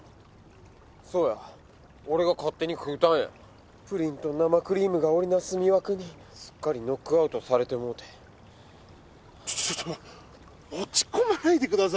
そうや俺が勝手に食うたんやプリンと生クリームが織り成す魅惑にすっかりノックアウトされてもうてちょちょ落ち込まないでくださいよ